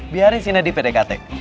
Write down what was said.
biarin sih nadif pdkt